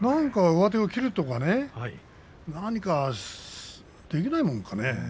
上手を切るとか何かできないものかね。